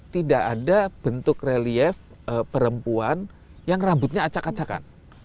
tidak ada bentuk relief perempuan yang rambutnya acak acakan